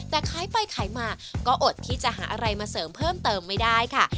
แต่ขายไปขายมาก็อดที่จะหาอะไรมาเสริมเพิ่มเติมไม่ได้ค่ะ